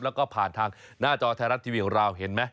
แล้วก็ผ่านทางหน้าจอไทยรัฐทีวีของเราเห็นไหม